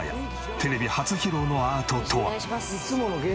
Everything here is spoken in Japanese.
テレビ初披露のアートとは？